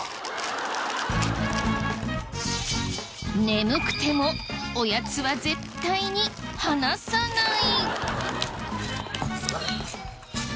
眠くてもおやつは絶対に離さない。